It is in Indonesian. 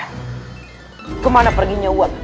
wah kemana perginya uap